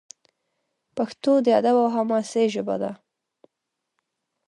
پښتو د ادب او حماسې ژبه ده.